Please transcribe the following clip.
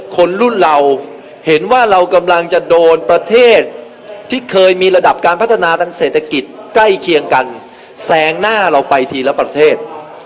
คนรุ่นเราเห็นว่าเรากำลังจะโดนประเทศที่เคยมีระดับการพัฒนาทางเศรษฐกิจใกล้เคียงกันแซงหน้าเราไปทีละประเทศ